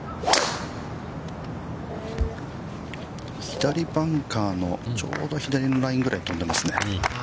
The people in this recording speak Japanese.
◆左バンカーの、ちょうど左のラインぐらいに飛んでいますね。